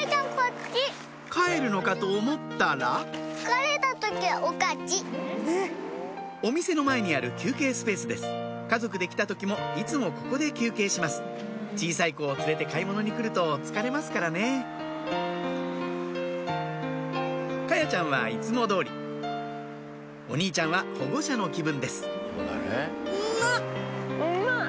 帰るのかと思ったらお店の前にある休憩スペースです家族で来た時もいつもここで休憩します小さい子を連れて買い物に来ると疲れますからね華彩ちゃんはいつも通りお兄ちゃんは保護者の気分です